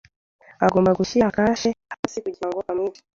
Agomba gushyira kashe hasi kugirango amwice